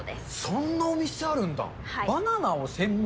そんなお店あるんだ。